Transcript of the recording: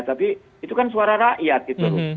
tapi itu kan suara rakyat gitu loh